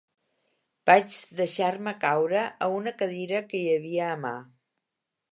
Vaig deixar-me caure a una cadira que hi havia a mà.